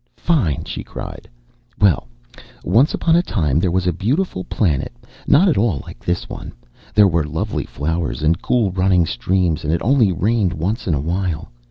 "Fine," she cried. "Well once upon a time there was a beautiful planet, not at all like this one. There were lovely flowers and cool running streams and it only rained once in a while.